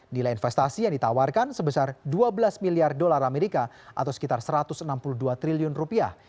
nilai investasi yang ditawarkan sebesar dua belas miliar dolar amerika atau sekitar satu ratus enam puluh dua triliun rupiah